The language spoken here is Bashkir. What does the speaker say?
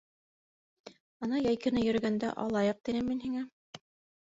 - Ана йәй көнө йөрөгәндә, алайыҡ, тинем мин һиңә.